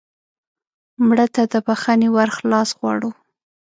مړه ته د بښنې ور خلاص غواړو